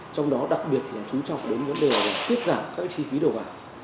trong đó đặc biệt là chú trọng đến vấn đề tiết giảm các chi phí đầu vào